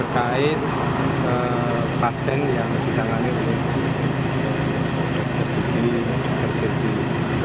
karena terkait pasien yang kita maning